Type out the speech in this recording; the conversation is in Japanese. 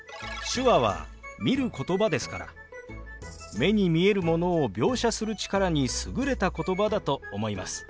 手話は見ることばですから目に見えるものを描写する力に優れた言葉だと思います。